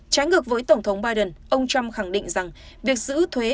trái ngược với tổng thống biden ông trump khẳng định rằng việc giữ thuế